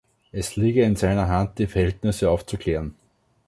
Es liege in seiner Hand die Verhältnisse aufzuklären.